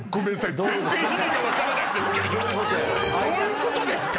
どういうことですか